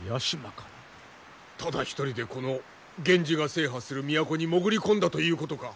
ただ一人でこの源氏が制覇する都に潜り込んだということか？